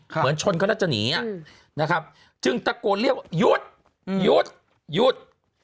เหมือนชนเขาแล้วจะหนีนะครับจึงตะโกนเรียกว่าหยุดหยุดหยุด